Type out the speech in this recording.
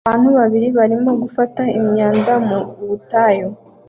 Abantu babiri barimo gufata imyanda mu butayu